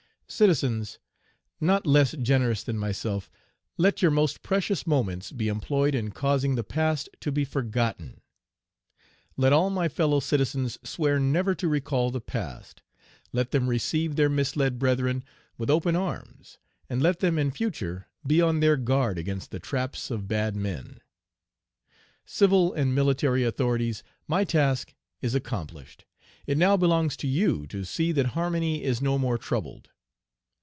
Citizens, not less generous than myself, let your most precious moments be employed in causing the past to be forgotten; let all my fellow citizens swear never to recall the past; let them receive their misled brethren with open arms; and let them in future be on their guard against the traps of bad men. "Civil and military authorities, my task is accomplished. It now belongs to you to see that harmony is no more troubled.